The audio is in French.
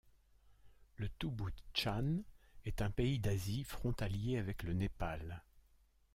Le Touboutt-Chan est un pays d'Asie, frontalier avec le Népal.